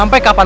maaf aja pak